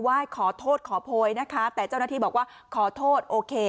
ขอโทษขอโพยนะคะแต่เจ้าหน้าที่บอกว่าขอโทษโอเค